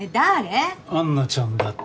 安奈ちゃんだって。